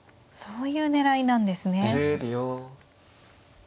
そういう狙いなんですね。